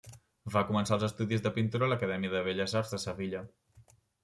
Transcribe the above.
Va començar els estudis de pintura a l'Acadèmia de Belles Arts de Sevilla.